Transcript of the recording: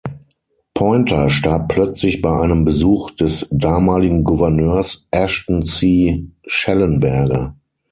Poynter starb plötzlich bei einem Besuch des damaligen Gouverneurs Ashton C. Shallenberger.